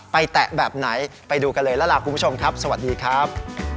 แตะแบบไหนไปดูกันเลยแล้วล่ะคุณผู้ชมครับสวัสดีครับ